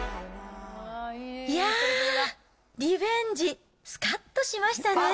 いやー、リベンジ、スカッとしましたね。